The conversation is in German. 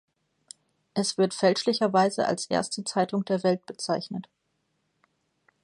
Es wird fälschlicherweise als erste Zeitung der Welt bezeichnet.